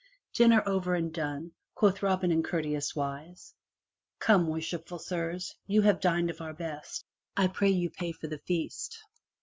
Dinner over and done, quoth Robin in courteous wise, "Now, worshipful sirs, that you have dined of our best, I pray you pay for the feast!"